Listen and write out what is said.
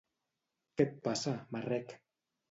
Què et passa, marrec.